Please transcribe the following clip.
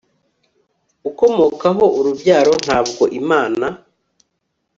ukomokaho urubyaro, ntabwo imana